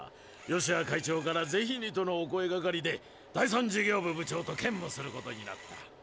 ヨシュア会長から「ぜひに」とのお声がかりで第３事業部部長と兼務することになった。